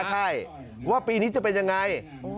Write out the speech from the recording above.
ใช่ว่าปีนี้จะเป็นยังไง